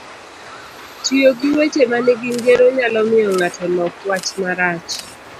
Tiyo gi weche manigi ngero nyalo miyo ng'ato lok wach marach,